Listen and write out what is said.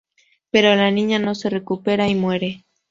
Pero la niña no se recupera y muere.